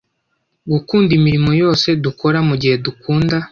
gukunda imirimo yose dukora mugihe dukunda